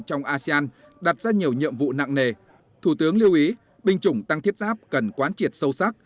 trong asean đặt ra nhiều nhiệm vụ nặng nề thủ tướng lưu ý binh chủng tăng thiết giáp cần quán triệt sâu sắc